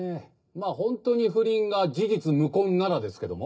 まぁホントに不倫が事実無根ならですけども。